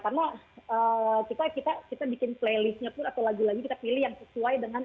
karena kita kita kita bikin playlistnya pun atau lagu lagu kita pilih yang sesuai dengan